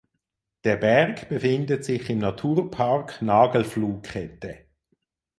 Der Berg befindet sich im Naturpark Nagelfluhkette.